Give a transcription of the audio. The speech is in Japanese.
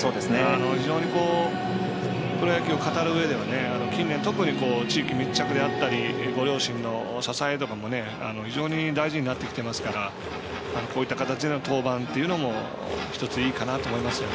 非常にプロ野球を語る上では近年、特に地域密着であったりご両親の支えとかも非常に大事になってきてますからこういった形での登板というのもいいと思います。